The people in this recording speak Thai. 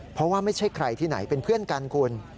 เพราะว่าไม่ใช่ใครที่ไหนเป็นเพื่อนกันคุณ